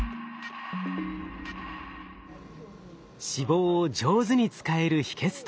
脂肪を上手に使える秘けつとは？